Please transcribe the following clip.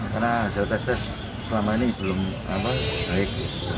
karena hasil tes tes selama ini belum baik